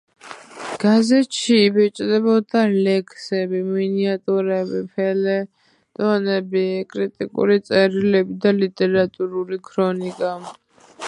გაზეთში იბეჭდებოდა ლექსები, მინიატურები, ფელეტონები, კრიტიკული წერილები და ლიტერატურული ქრონიკა.